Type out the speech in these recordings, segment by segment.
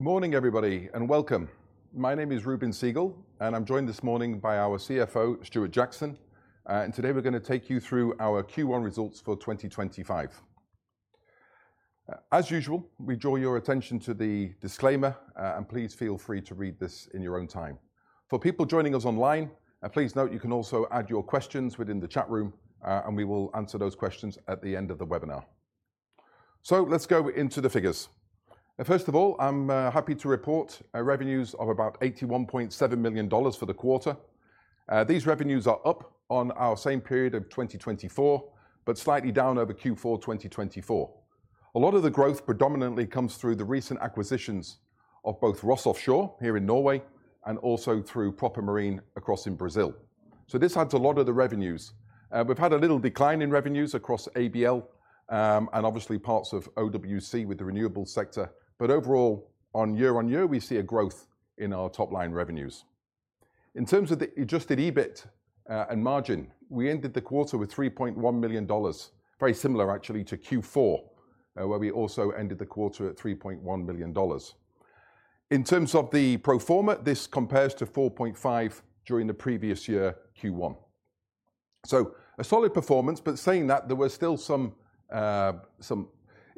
Morning, everybody, and welcome. My name is Reuben Segal, and I'm joined this morning by our CFO, Stuart Jackson. Today we're going to take you through our Q1 results for 2025. As usual, we draw your attention to the disclaimer, and please feel free to read this in your own time. For people joining us online, please note you can also add your questions within the chat room, and we will answer those questions at the end of the webinar. Let's go into the figures. First of all, I'm happy to report revenues of about $81.7 million for the quarter. These revenues are up on our same period of 2024, but slightly down over Q4 2024. A lot of the growth predominantly comes through the recent acquisitions of both Ross Offshore here in Norway and also through Proper Marine across in Brazil. This adds a lot of the revenues. We've had a little decline in revenues across ABL and obviously parts of OWC with the renewables sector, but overall, on year-on-year, we see a growth in our top-line revenues. In terms of the adjusted EBIT and margin, we ended the quarter with $3.1 million, very similar actually to Q4, where we also ended the quarter at $3.1 million. In terms of the pro forma, this compares to $4.5 million during the previous year Q1. A solid performance, but saying that there were still some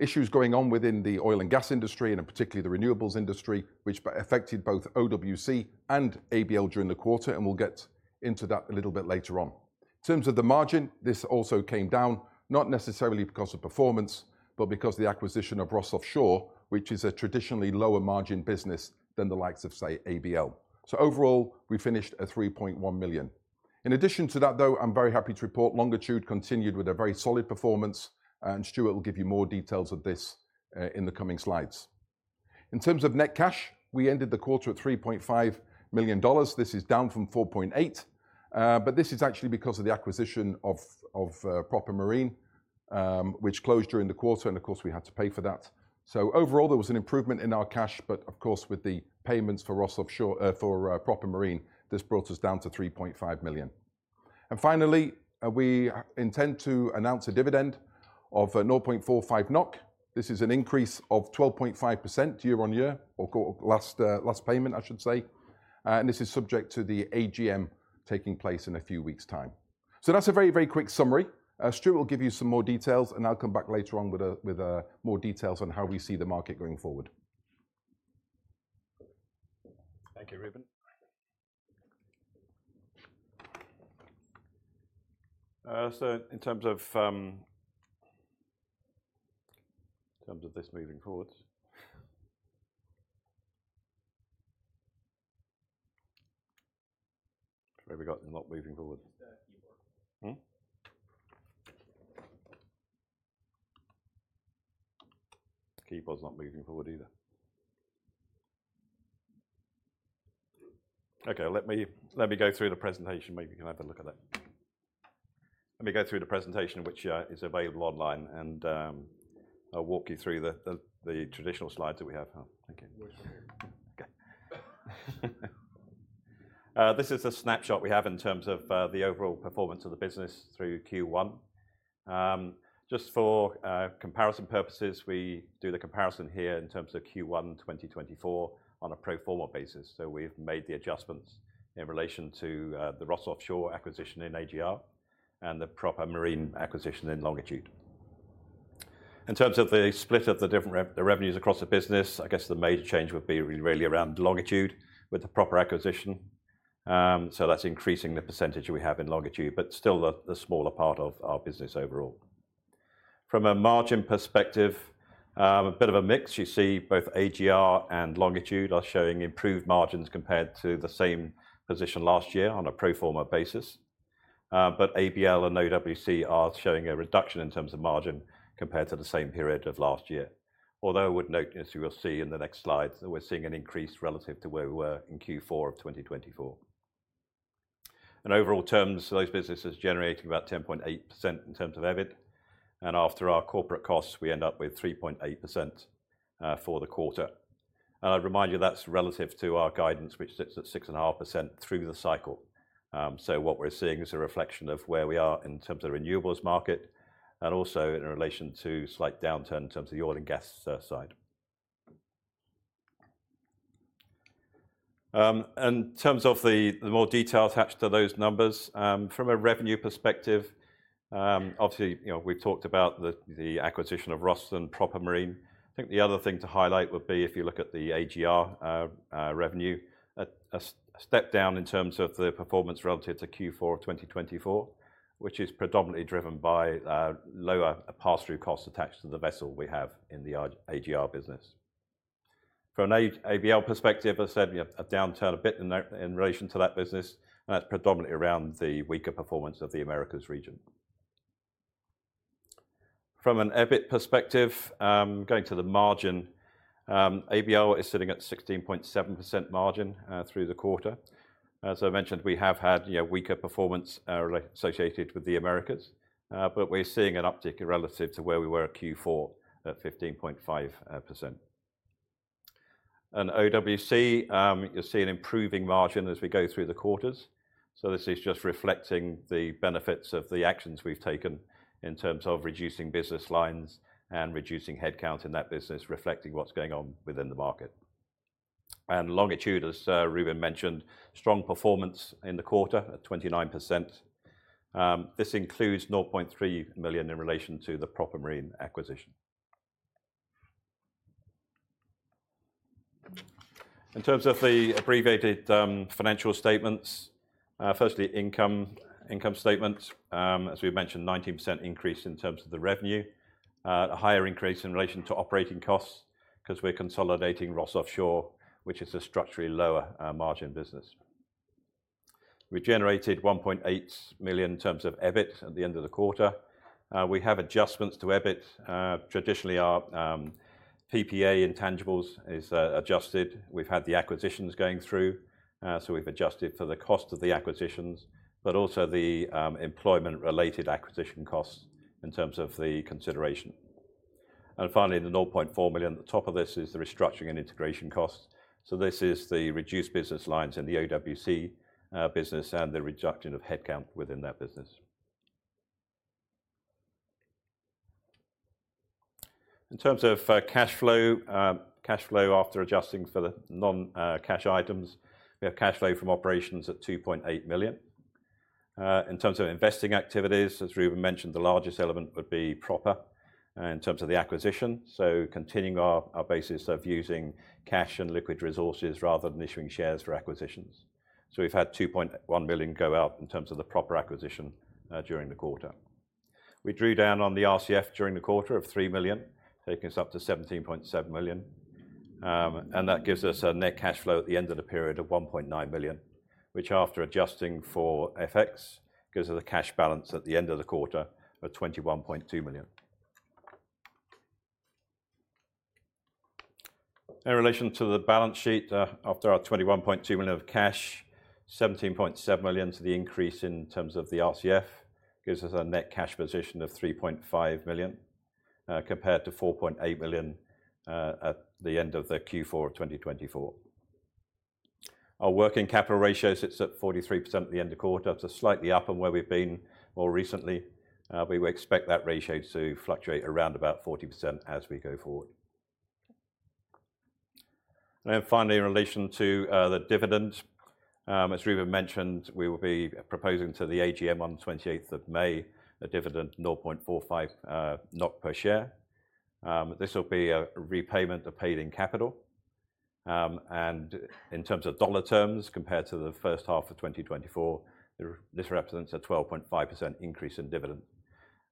issues going on within the oil and gas industry, and particularly the renewables industry, which affected both OWC and ABL during the quarter, and we'll get into that a little bit later on. In terms of the margin, this also came down, not necessarily because of performance, but because of the acquisition of Ross Offshore, which is a traditionally lower margin business than the likes of, say, ABL. So overall, we finished at $3.1 million. In addition to that, though, I'm very happy to report Longitude continued with a very solid performance, and Stuart will give you more details of this in the coming slides. In terms of net cash, we ended the quarter at $3.5 million. This is down from $4.8 million, but this is actually because of the acquisition of Proper Marine, which closed during the quarter, and of course we had to pay for that. So overall, there was an improvement in our cash, but of course with the payments for Proper Marine, this brought us down to $3.5 million. Finally, we intend to announce a dividend of 0.45 NOK. This is an increase of 12.5% year-on-year, or last payment, I should say. This is subject to the AGM taking place in a few weeks' time. That is a very, very quick summary. Stuart will give you some more details, and I'll come back later on with more details on how we see the market going forward. Thank you, Reuben. In terms of this moving forward, maybe we got the knock moving forward. Keyboard's not moving forward either. Okay, let me go through the presentation. Maybe you can have a look at that. Let me go through the presentation, which is available online, and I'll walk you through the traditional slides that we have. Thank you. This is a snapshot we have in terms of the overall performance of the business through Q1. Just for comparison purposes, we do the comparison here in terms of Q1 2024 on a pro forma basis. We have made the adjustments in relation to the Ross Offshore acquisition in AGR and the Proper Marine acquisition in Longitude. In terms of the split of the different revenues across the business, I guess the major change would be really around Longitude with the Proper Marine acquisition. That is increasing the percentage we have in Longitude, but still the smaller part of our business overall. From a margin perspective, a bit of a mix. You see both AGR and Longitude are showing improved margins compared to the same position last year on a pro forma basis. ABL and OWC are showing a reduction in terms of margin compared to the same period of last year. Although I would note, as you will see in the next slides, that we are seeing an increase relative to where we were in Q4 of 2024. In overall terms, those businesses are generating about 10.8% in terms of EBIT. After our corporate costs, we end up with 3.8% for the quarter. I would remind you that is relative to our guidance, which sits at 6.5% through the cycle. What we're seeing is a reflection of where we are in terms of the renewables market, and also in relation to slight downturn in terms of the oil and gas side. In terms of the more details attached to those numbers, from a revenue perspective, obviously we've talked about the acquisition of Ross Offshore and Proper Marine. I think the other thing to highlight would be if you look at the AGR revenue, a step down in terms of the performance relative to Q4 of 2024, which is predominantly driven by lower pass-through costs attached to the vessel we have in the AGR business. From an ABL perspective, as I said, a downturn a bit in relation to that business, and that's predominantly around the weaker performance of the Americas region. From an EBIT perspective, going to the margin, ABL is sitting at 16.7% margin through the quarter. As I mentioned, we have had weaker performance associated with the Americas, but we're seeing an uptick relative to where we were at Q4 at 15.5%. OWC, you'll see an improving margin as we go through the quarters. This is just reflecting the benefits of the actions we've taken in terms of reducing business lines and reducing headcount in that business, reflecting what's going on within the market. Longitude, as Reuben mentioned, strong performance in the quarter at 29%. This includes $0.3 million in relation to the Proper Marine acquisition. In terms of the abbreviated financial statements, firstly income statements, as we've mentioned, 19% increase in terms of the revenue, a higher increase in relation to operating costs because we're consolidating Ross Offshore, which is a structurally lower margin business. We generated $1.8 million in terms of EBIT at the end of the quarter. We have adjustments to EBIT. Traditionally, our PPA intangibles is adjusted. We have had the acquisitions going through, so we have adjusted for the cost of the acquisitions, but also the employment-related acquisition costs in terms of the consideration. Finally, the $0.4 million at the top of this is the restructuring and integration costs. This is the reduced business lines in the OWC business and the reduction of headcount within that business. In terms of cash flow, cash flow after adjusting for the non-cash items, we have cash flow from operations at $2.8 million. In terms of investing activities, as Reuben mentioned, the largest element would be Proper Marine in terms of the acquisition, continuing our basis of using cash and liquid resources rather than issuing shares for acquisitions. We have had $2.1 million go out in terms of the Proper Marine acquisition during the quarter. We drew down on the RCF during the quarter of $3 million, taking us up to $17.7 million. That gives us a net cash flow at the end of the period of $1.9 million, which after adjusting for FX gives us a cash balance at the end of the quarter of $21.2 million. In relation to the balance sheet, after our $21.2 million of cash, $17.7 million to the increase in terms of the RCF gives us a net cash position of $3.5 million compared to $4.8 million at the end of Q4 2024. Our working capital ratio sits at 43% at the end of quarter, so slightly up from where we've been more recently. We would expect that ratio to fluctuate around about 40% as we go forward. Finally, in relation to the dividend, as Reuben mentioned, we will be proposing to the AGM on the 28th of May a dividend of 0.45 per share. This will be a repayment of paid-in capital. In dollar terms, compared to the first half of 2024, this represents a 12.5% increase in dividend.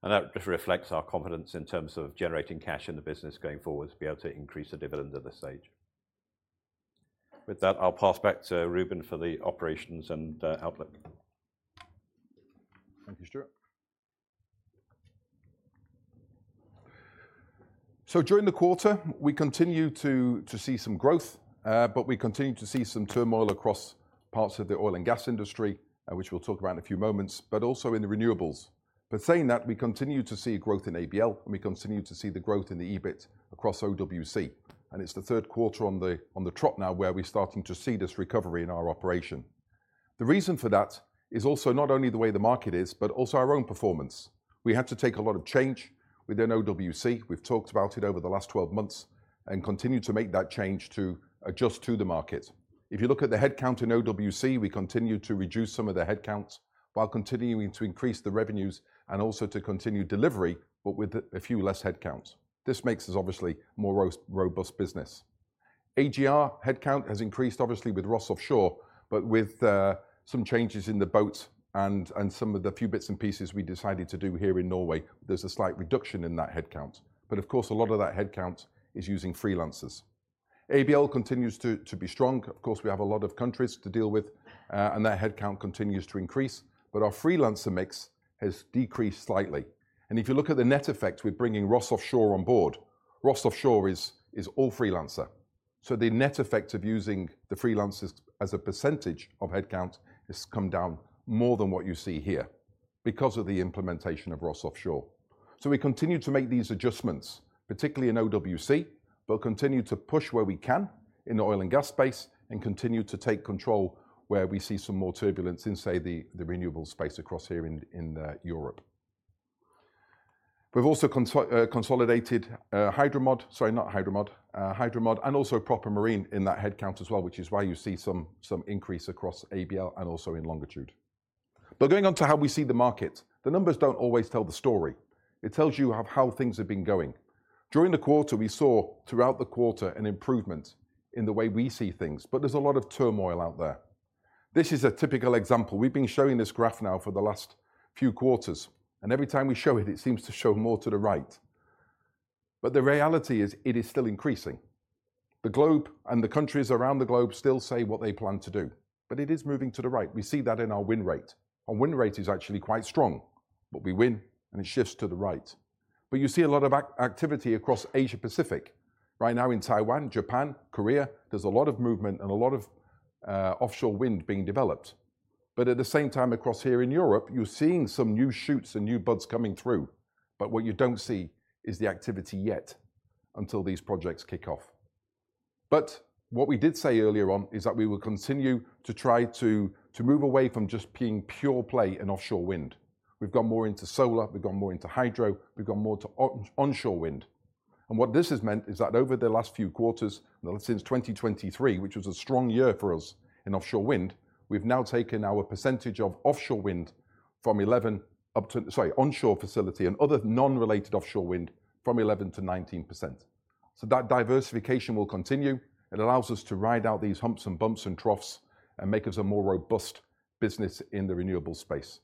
That just reflects our confidence in terms of generating cash in the business going forward to be able to increase the dividend at this stage. With that, I'll pass back to Reuben for the operations and outlook. Thank you, Stuart. During the quarter, we continue to see some growth, but we continue to see some turmoil across parts of the oil and gas industry, which we'll talk about in a few moments, but also in the renewables. Saying that, we continue to see growth in ABL, and we continue to see the growth in the EBIT across OWC. It is the third quarter on the trot now where we're starting to see this recovery in our operation. The reason for that is also not only the way the market is, but also our own performance. We had to take a lot of change within OWC. We've talked about it over the last 12 months and continue to make that change to adjust to the market. If you look at the headcount in OWC, we continue to reduce some of the headcount while continuing to increase the revenues and also to continue delivery, but with a few less headcounts. This makes us obviously a more robust business. AGR headcount has increased obviously with Ross Offshore, but with some changes in the boats and some of the few bits and pieces we decided to do here in Norway, there is a slight reduction in that headcount. Of course, a lot of that headcount is using freelancers. ABL continues to be strong. Of course, we have a lot of countries to deal with, and that headcount continues to increase, but our freelancer mix has decreased slightly. If you look at the net effect with bringing Ross Offshore on board, Ross Offshore is all freelancer. The net effect of using the freelancers as a percentage of headcount has come down more than what you see here because of the implementation of Ross Offshore. We continue to make these adjustments, particularly in OWC, but continue to push where we can in the oil and gas space and continue to take control where we see some more turbulence in, say, the renewable space across here in Europe. We have also consolidated Hidromod, sorry, not Hidromod, Hidromod and also Proper Marine in that headcount as well, which is why you see some increase across ABL and also in Longitude. Going on to how we see the market, the numbers do not always tell the story. It tells you how things have been going. During the quarter, we saw throughout the quarter an improvement in the way we see things, but there is a lot of turmoil out there. This is a typical example. We've been showing this graph now for the last few quarters, and every time we show it, it seems to show more to the right. The reality is it is still increasing. The globe and the countries around the globe still say what they plan to do, but it is moving to the right. We see that in our win rate. Our win rate is actually quite strong, but we win, and it shifts to the right. You see a lot of activity across Asia-Pacific. Right now in Taiwan, Japan, Korea, there's a lot of movement and a lot of offshore wind being developed. At the same time across here in Europe, you're seeing some new shoots and new buds coming through, but what you don't see is the activity yet until these projects kick off. What we did say earlier on is that we will continue to try to move away from just being pure play in offshore wind. We have gone more into solar, we have gone more into hydro, we have gone more to onshore wind. What this has meant is that over the last few quarters, since 2023, which was a strong year for us in offshore wind, we have now taken our percentage of offshore wind from 11% up to, sorry, onshore facility and other non-related offshore wind from 11% to 19%. That diversification will continue. It allows us to ride out these humps and bumps and troughs and make us a more robust business in the renewable space.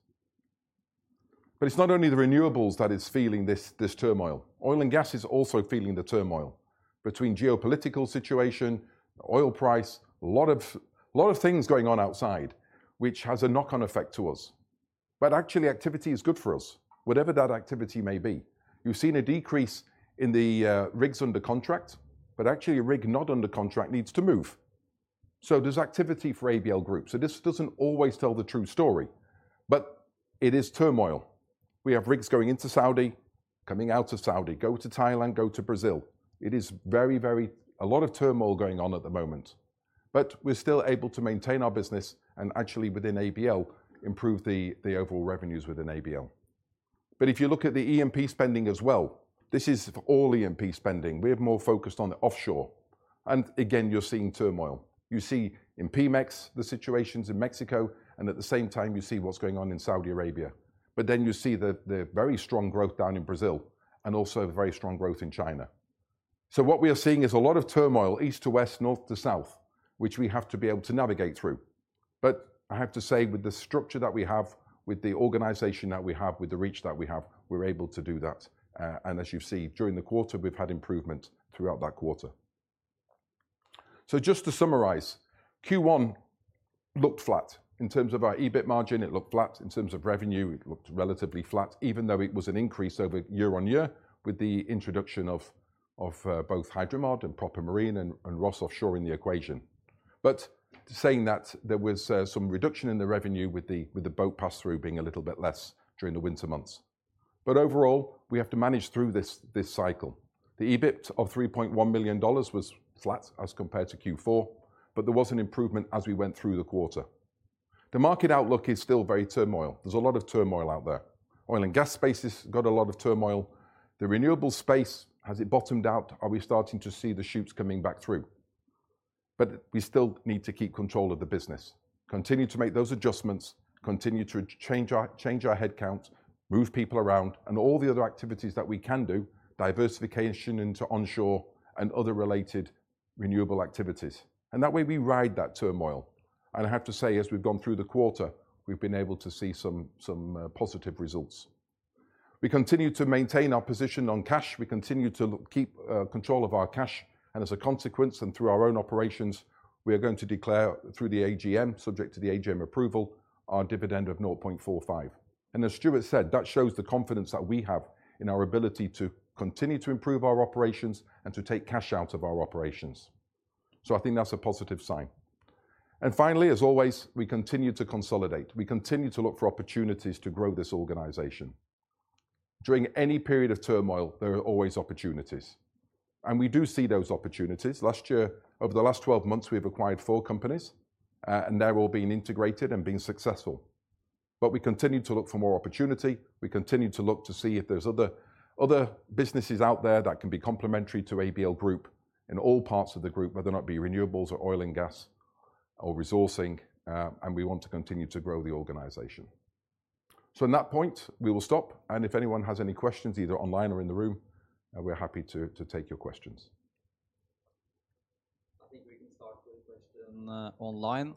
It is not only the renewables that is feeling this turmoil. Oil and gas is also feeling the turmoil between geopolitical situation, oil price, a lot of things going on outside, which has a knock-on effect to us. Actually, activity is good for us, whatever that activity may be. You've seen a decrease in the rigs under contract, but actually a rig not under contract needs to move. There's activity for ABL Group. This doesn't always tell the true story, but it is turmoil. We have rigs going into Saudi Arabia, coming out of Saudi Arabia, go to Thailand, go to Brazil. It is very, very a lot of turmoil going on at the moment, but we're still able to maintain our business and actually within ABL improve the overall revenues within ABL. If you look at the EMP spending as well, this is all EMP spending. We're more focused on the offshore. Again, you're seeing turmoil. You see in PMEX the situations in Mexico, and at the same time, you see what's going on in Saudi Arabia. You see the very strong growth down in Brazil and also very strong growth in China. What we are seeing is a lot of turmoil east to west, north to south, which we have to be able to navigate through. I have to say with the structure that we have, with the organization that we have, with the reach that we have, we're able to do that. As you see, during the quarter, we've had improvement throughout that quarter. Just to summarize, Q1 looked flat. In terms of our EBIT margin, it looked flat. In terms of revenue, it looked relatively flat, even though it was an increase over year on year with the introduction of both Hidromod and Proper Marine and Ross Offshore in the equation. There was some reduction in the revenue with the boat pass-through being a little bit less during the winter months. Overall, we have to manage through this cycle. The EBIT of $3.1 million was flat as compared to Q4, but there was an improvement as we went through the quarter. The market outlook is still very turmoil. There is a lot of turmoil out there. Oil and gas space has got a lot of turmoil. The renewable space, has it bottomed out? Are we starting to see the shoots coming back through? We still need to keep control of the business, continue to make those adjustments, continue to change our headcount, move people around, and all the other activities that we can do, diversification into onshore and other related renewable activities. That way we ride that turmoil. I have to say, as we've gone through the quarter, we've been able to see some positive results. We continue to maintain our position on cash. We continue to keep control of our cash. As a consequence, and through our own operations, we are going to declare through the AGM, subject to the AGM approval, our dividend of $0.45. As Stuart said, that shows the confidence that we have in our ability to continue to improve our operations and to take cash out of our operations. I think that's a positive sign. Finally, as always, we continue to consolidate. We continue to look for opportunities to grow this organization. During any period of turmoil, there are always opportunities. We do see those opportunities. Last year, over the last 12 months, we've acquired four companies, and they're all being integrated and being successful. We continue to look for more opportunity. We continue to look to see if there's other businesses out there that can be complementary to ABL Group in all parts of the group, whether or not it be renewables or oil and gas or resourcing. We want to continue to grow the organization. At that point, we will stop. If anyone has any questions, either online or in the room, we're happy to take your questions. I think we can start with a question online.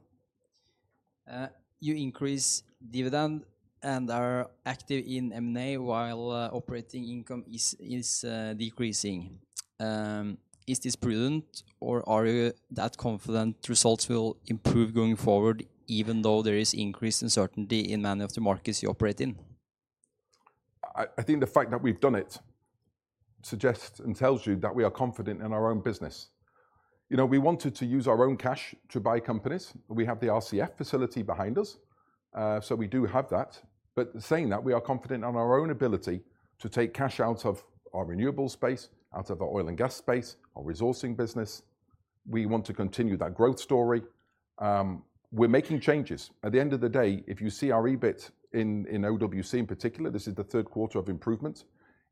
You increase dividend and are active in M&A while operating income is decreasing. Is this prudent, or are you that confident results will improve going forward, even though there is increased uncertainty in many of the markets you operate in? I think the fact that we've done it suggests and tells you that we are confident in our own business. We wanted to use our own cash to buy companies. We have the RCF facility behind us, so we do have that. Saying that, we are confident in our own ability to take cash out of our renewables space, out of our oil and gas space, our resourcing business. We want to continue that growth story. We're making changes. At the end of the day, if you see our EBIT in OWC in particular, this is the third quarter of improvement,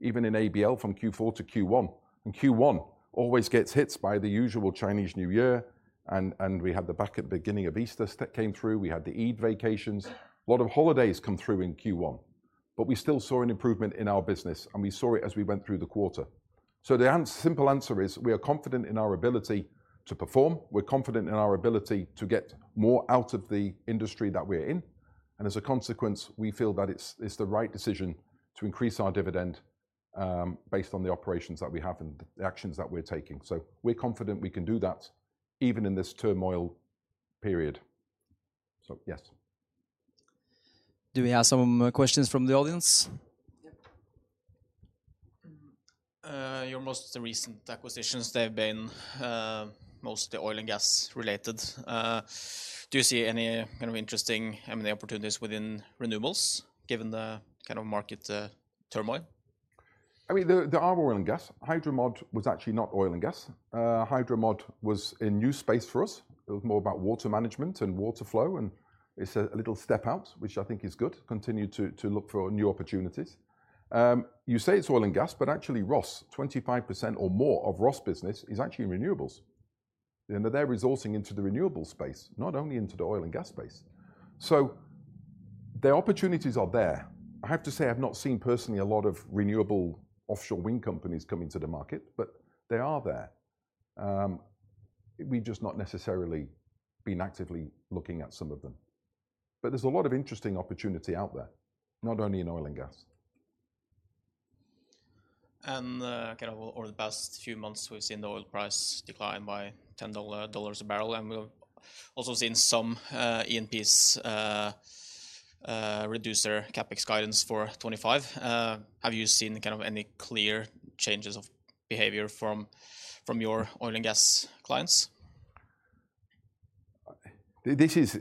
even in ABL from Q4 to Q1. Q1 always gets hit by the usual Chinese New Year, and we had the back at the beginning of Easter that came through. We had the Eid vacations. A lot of holidays come through in Q1, but we still saw an improvement in our business, and we saw it as we went through the quarter. The simple answer is we are confident in our ability to perform. We're confident in our ability to get more out of the industry that we're in. As a consequence, we feel that it's the right decision to increase our dividend based on the operations that we have and the actions that we're taking. We're confident we can do that even in this turmoil period. Yes. Do we have some questions from the audience? Yep. Your most recent acquisitions, they've been mostly oil and gas related. Do you see any kind of interesting M&A opportunities within renewables given the kind of market turmoil? I mean, there are oil and gas. Hidromod was actually not oil and gas. Hidromod was a new space for us. It was more about water management and water flow, and it's a little step out, which I think is good. Continue to look for new opportunities. You say it's oil and gas, but actually Ross, 25% or more of Ross business is actually in renewables. And they're resourcing into the renewable space, not only into the oil and gas space. The opportunities are there. I have to say I've not seen personally a lot of renewable offshore wind companies come into the market, but they are there. We've just not necessarily been actively looking at some of them. There is a lot of interesting opportunity out there, not only in oil and gas. Over the past few months, we've seen the oil price decline by $10 a barrel, and we've also seen some ENPs reduce their CapEx guidance for 2025. Have you seen any clear changes of behavior from your oil and gas clients? This is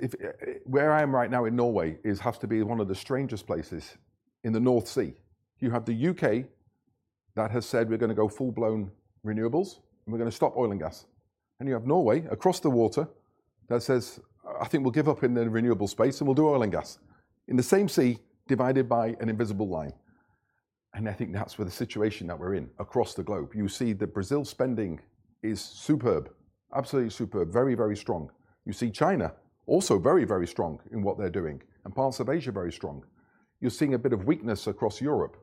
where I am right now in Norway, has to be one of the strangest places in the North Sea. You have the U.K. that has said we're going to go full-blown renewables and we're going to stop oil and gas. You have Norway across the water that says, I think we'll give up in the renewable space and we'll do oil and gas in the same sea divided by an invisible line. I think that's where the situation that we're in across the globe. You see that Brazil's spending is superb, absolutely superb, very, very strong. You see China also very, very strong in what they're doing and parts of Asia very strong. You're seeing a bit of weakness across Europe.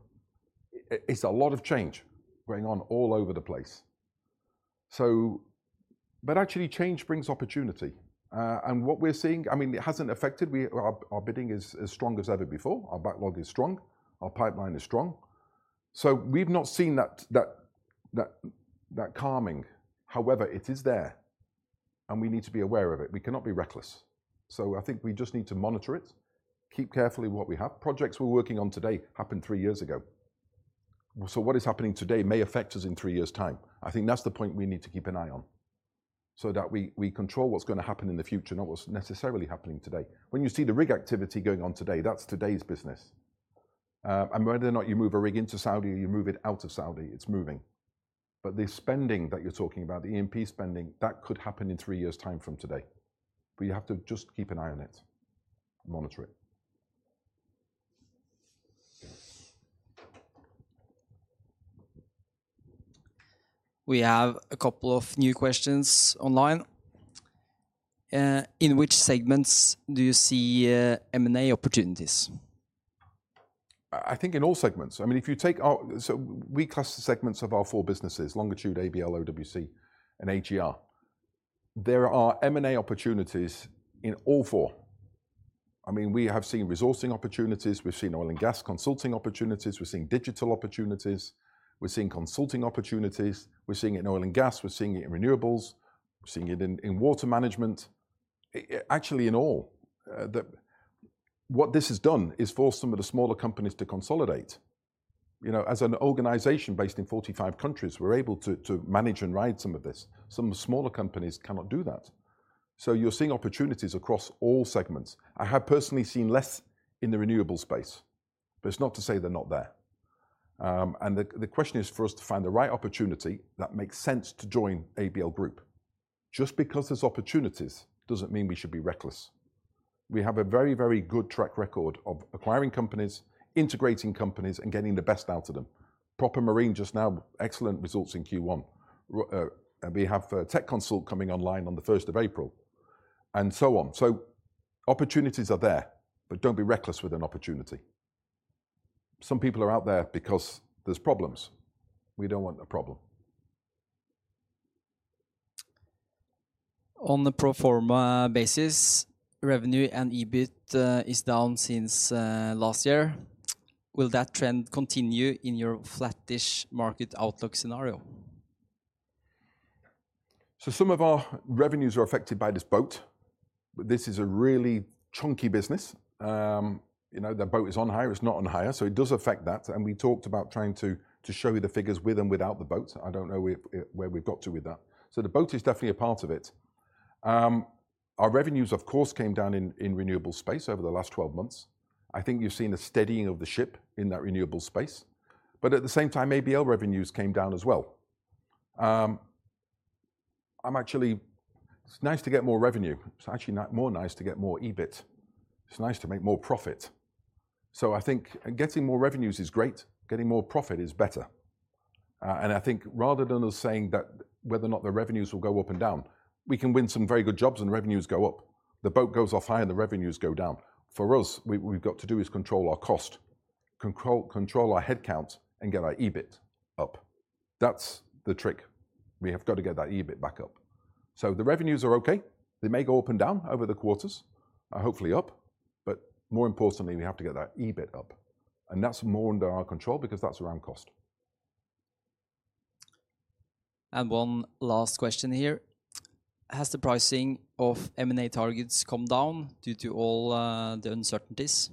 It's a lot of change going on all over the place. Actually, change brings opportunity. What we're seeing, I mean, it hasn't affected our bidding as strong as ever before. Our backlog is strong. Our pipeline is strong. We have not seen that calming. However, it is there, and we need to be aware of it. We cannot be reckless. I think we just need to monitor it, keep carefully what we have. Projects we're working on today happened three years ago. What is happening today may affect us in three years' time. I think that's the point we need to keep an eye on so that we control what's going to happen in the future, not what's necessarily happening today. When you see the rig activity going on today, that's today's business. Whether or not you move a rig into Saudi Arabia or you move it out of Saudi Arabia, it's moving. The spending that you're talking about, the EMP spending, that could happen in three years' time from today. You have to just keep an eye on it, monitor it. We have a couple of new questions online. In which segments do you see M&A opportunities? I think in all segments. I mean, if you take our, so we class the segments of our four businesses: Longitude, ABL, OWC, and AGR. There are M&A opportunities in all four. I mean, we have seen resourcing opportunities. We've seen oil and gas consulting opportunities. We're seeing digital opportunities. We're seeing consulting opportunities. We're seeing it in oil and gas. We're seeing it in renewables. We're seeing it in water management. Actually, in all, what this has done is forced some of the smaller companies to consolidate. As an organization based in 45 countries, we're able to manage and ride some of this. Some of the smaller companies cannot do that. You're seeing opportunities across all segments. I have personally seen less in the renewable space, but it's not to say they're not there. The question is for us to find the right opportunity that makes sense to join ABL Group. Just because there are opportunities does not mean we should be reckless. We have a very, very good track record of acquiring companies, integrating companies, and getting the best out of them. Proper Marine just now, excellent results in Q1. We have Techconsult coming online on the 1st of April and so on. Opportunities are there, but do not be reckless with an opportunity. Some people are out there because there are problems. We do not want a problem. On the pro forma basis, revenue and EBIT is down since last year. Will that trend continue in your flattish market outlook scenario? Some of our revenues are affected by this boat, but this is a really chunky business. The boat is on hire. It's not on hire. It does affect that. We talked about trying to show you the figures with and without the boat. I don't know where we've got to with that. The boat is definitely a part of it. Our revenues, of course, came down in renewable space over the last 12 months. I think you've seen a steadying of the ship in that renewable space. At the same time, ABL revenues came down as well. It's nice to get more revenue. It's actually more nice to get more EBIT. It's nice to make more profit. I think getting more revenues is great. Getting more profit is better. I think rather than us saying that whether or not the revenues will go up and down, we can win some very good jobs and revenues go up, the boat goes off high and the revenues go down. For us, what we've got to do is control our cost, control our headcount, and get our EBIT up. That's the trick. We have got to get that EBIT back up. The revenues are okay. They may go up and down over the quarters, hopefully up. More importantly, we have to get that EBIT up. That's more under our control because that's around cost. One last question here. Has the pricing of M&A targets come down due to all the uncertainties?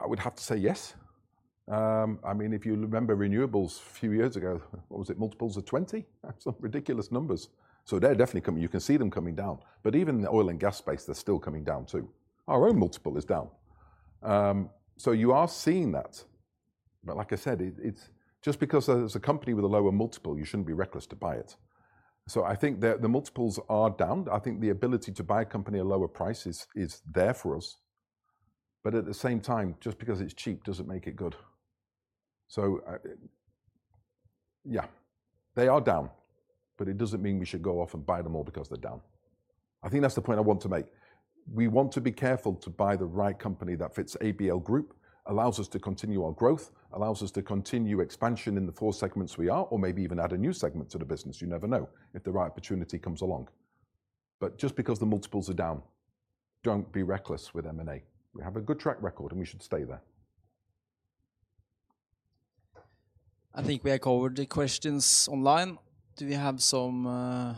I would have to say yes. I mean, if you remember renewables a few years ago, what was it? Multiples of 20? Some ridiculous numbers. They are definitely coming. You can see them coming down. Even in the oil and gas space, they are still coming down too. Our own multiple is down. You are seeing that. Like I said, just because there is a company with a lower multiple, you should not be reckless to buy it. I think that the multiples are down. I think the ability to buy a company at a lower price is there for us. At the same time, just because it is cheap does not make it good. Yes, they are down, but it does not mean we should go off and buy them all because they are down. I think that is the point I want to make. We want to be careful to buy the right company that fits ABL Group, allows us to continue our growth, allows us to continue expansion in the four segments we are, or maybe even add a new segment to the business. You never know if the right opportunity comes along. Just because the multiples are down, do not be reckless with M&A. We have a good track record, and we should stay there. I think we have covered the questions online. Do we have some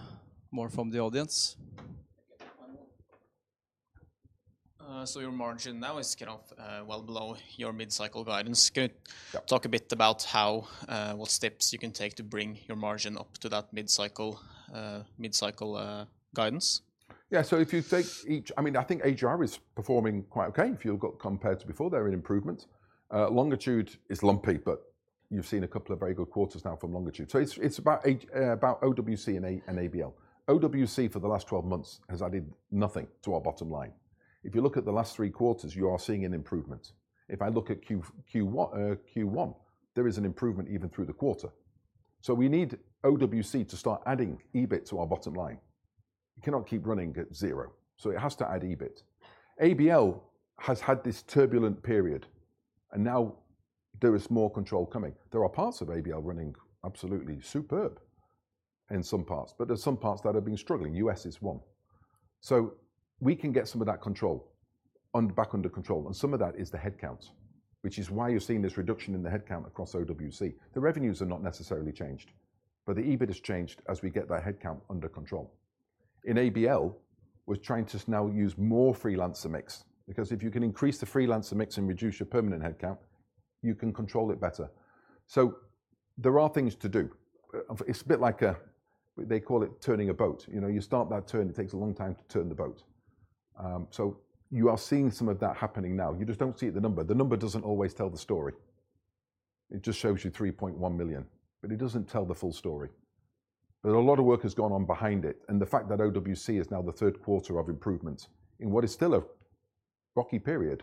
more from the audience? Your margin now is kind of well below your mid-cycle guidance. Can you talk a bit about what steps you can take to bring your margin up to that mid-cycle guidance? Yeah. If you take each, I mean, I think HR is performing quite okay if you look compared to before. There is an improvement. Longitude is lumpy, but you have seen a couple of very good quarters now from Longitude. It is about OWC and ABL. OWC for the last 12 months has added nothing to our bottom line. If you look at the last three quarters, you are seeing an improvement. If I look at Q1, there is an improvement even through the quarter. We need OWC to start adding EBIT to our bottom line. It cannot keep running at zero. It has to add EBIT. ABL has had this turbulent period, and now there is more control coming. There are parts of ABL running absolutely superb in some parts, but there are some parts that have been struggling. U.S. is one. We can get some of that control back under control. Some of that is the headcount, which is why you're seeing this reduction in the headcount across OWC. The revenues have not necessarily changed, but the EBIT has changed as we get that headcount under control. In ABL, we're trying to now use more freelancer mix because if you can increase the freelancer mix and reduce your permanent headcount, you can control it better. There are things to do. It's a bit like they call it turning a boat. You start that turn, it takes a long time to turn the boat. You are seeing some of that happening now. You just do not see the number. The number does not always tell the story. It just shows you $3.1 million, but it does not tell the full story. A lot of work has gone on behind it. The fact that OWC is now the third quarter of improvements in what is still a rocky period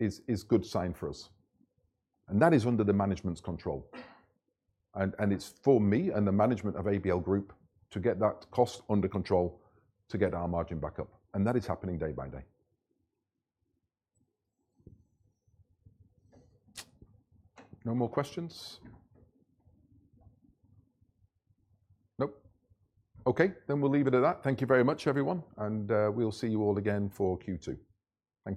is a good sign for us. That is under the management's control. It is for me and the management of ABL Group to get that cost under control to get our margin back up. That is happening day by day. No more questions? Nope. Okay. We will leave it at that. Thank you very much, everyone. We will see you all again for Q2. Thank you.